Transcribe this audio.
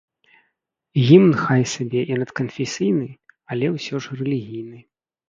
Гімн хай сабе і надканфесійны, але ўсё ж рэлігійны.